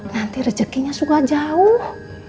nanti rezekinya suka jauh